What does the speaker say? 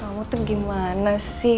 kamu tuh gimana sih